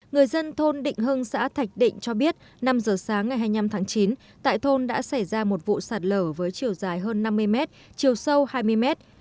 người dân thôn định hưng xã thạch định cho biết năm giờ sáng ngày hai mươi năm tháng chín tại thôn đã xảy ra một vụ sạt lở với chiều dài hơn năm mươi mét chiều sâu hai mươi mét